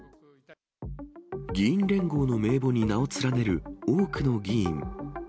議員連合の名簿に名を連ねる多くの議員。